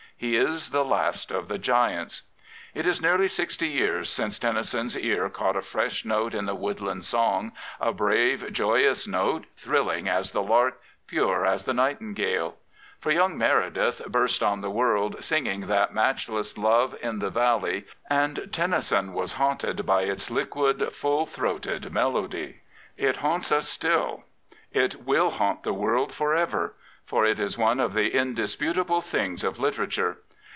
He is the last of the giants. It is nearly sixty years since Tennyson's ear caught a fresh note in the woodland song, a brave, joyous note, thrilling as the lark, pure as the nightingale. For young Meredith burst on the world singing that matchless " Love in the Valley," and Tennyson was haunted by its liquid, full throated melody. It haunts us still. It will haunt the world for ever. For it is one of the indisputable things of literature.